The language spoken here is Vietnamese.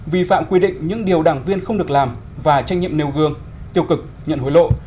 vi phạm quy định những điều đảng viên không được làm và tranh nhiệm nêu gương tiêu cực nhận hối lộ